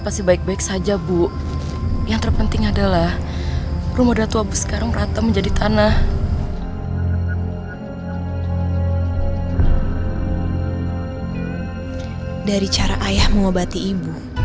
kan ibu kenapa harus berkorban buat keknya tadi bu